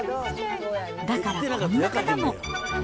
だからこんな方も。